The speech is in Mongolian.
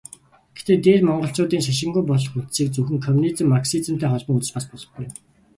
Гэхдээ Дээд Монголчуудын шашингүй болох үндсийг зөвхөн коммунизм, марксизмтай холбон үзэж бас болохгүй юм.